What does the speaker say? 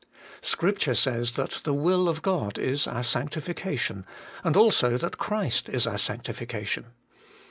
Scripture says that the will of God is our sancti fication, and also that Christ is our Sanctification.